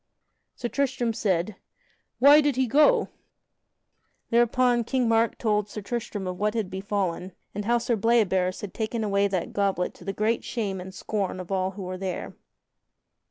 Sir Tristram said, "Why did he go?" Thereupon King Mark told Sir Tristram of what had befallen, and how Sir Bleoberis had taken away that goblet to the great shame and scorn of all those who were there.